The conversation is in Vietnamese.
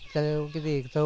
cho cái gì cho bò